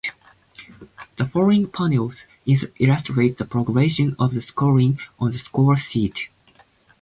The following panels illustrate the progression of the scoring on the score sheet.